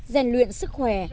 rèn luyện sức khỏe